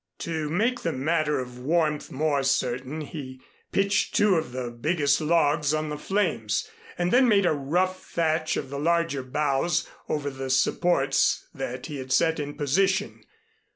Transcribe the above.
To make the matter of warmth more certain, he pitched two of the biggest logs on the flames, and then made a rough thatch of the larger boughs over the supports that he had set in position.